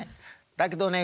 だけどね